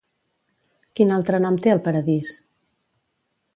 Quin altre nom té el paradís?